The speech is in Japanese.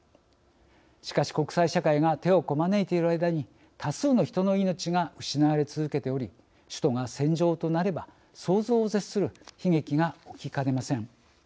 しかし、国際社会が手をこまねいている間に多数の人の命が失われ続けており首都が戦場となれば想像を絶する悲劇が起きかねません。